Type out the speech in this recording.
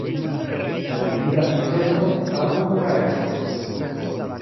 Se devigas neceso, faru kun kareso.